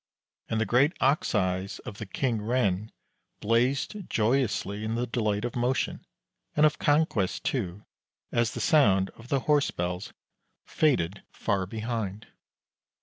And the great ox eyes of the King Ren blazed joyously in the delight of motion, and of conquest too, as the sound of the horse bells faded far behind.